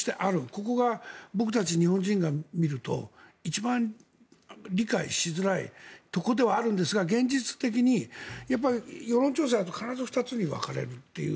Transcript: ここが僕たち日本人から見ると一番、理解しづらいところではあるんですが現実的にやっぱり世論調査やると必ず２つに分かれるという。